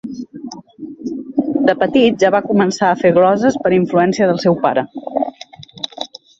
De petit ja va començar a fer gloses per influència del seu pare.